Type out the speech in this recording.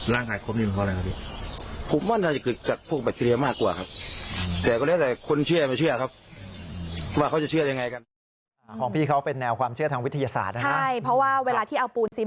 แล้วที่นี่บ้างสาเหตุที่มันร่างกายครบนี้มันเพราะอะไรครับพี่